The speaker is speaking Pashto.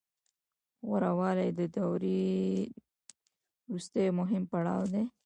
غوره والی د دورې وروستی مهم پړاو دی